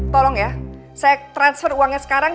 tolong ya saya transfer uangnya sekarang